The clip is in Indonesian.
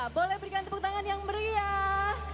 boleh berikan tepuk tangan yang meriah